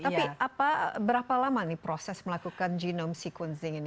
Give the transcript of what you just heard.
tapi berapa lama nih proses melakukan genome sequencing ini